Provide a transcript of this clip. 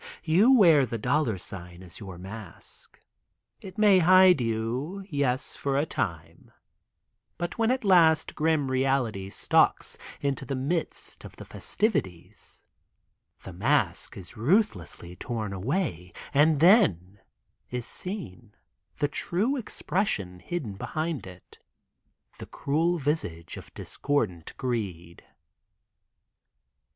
You wear the dollar sign as your mask. It may hide you — yes, for a time, But when at last grim reality stalks into the midst of the festivities, The mask is ruthlessly torn away, and then — is seen The true expression hidden behind it — the cruel visage of discordant greed.